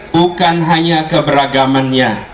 bukan hanya keberagamannya